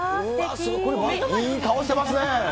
いい顔してますね。